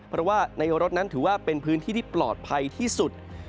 เพราะว่าในรถนั้นถือว่าเป็นพื้นที่ที่ปลอดภัยที่สุด